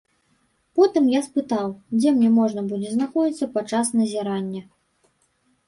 Потым я спытаў, дзе мне можна будзе знаходзіцца падчас назірання.